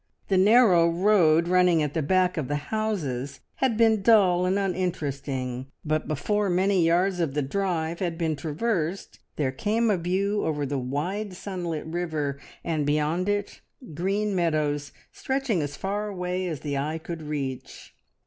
The narrow road, running at the back of the houses, had been dull and uninteresting, but before many yards of the drive had been traversed, there came a view over the wide sunlit river, and beyond it green meadows stretching away as far as the eye could reach.